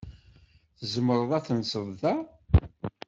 Tzemreḍ ad tenseḍ da.